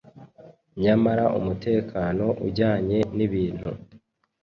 Nyamara umutekano ujyanye nibintu